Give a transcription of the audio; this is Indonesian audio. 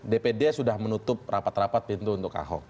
dpd sudah menutup rapat rapat pintu untuk ahok